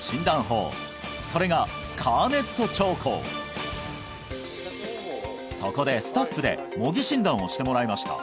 法それがそこでスタッフで模擬診断をしてもらいました